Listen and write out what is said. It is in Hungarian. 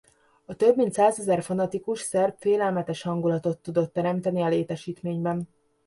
A több mint százezer fanatikus szerb félelmetes hangulatot tudott teremteni a létesítményben.